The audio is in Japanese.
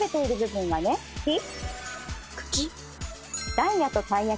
茎。